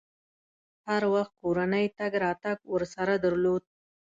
هر وخت کورنۍ تګ راتګ ورسره درلود.